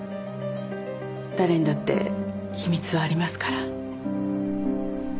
誰にだって秘密はありますから。